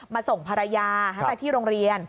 มาส่งภรรยาไปที่โรงเรียน